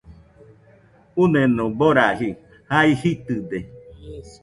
Uneno baraji, jea jitɨde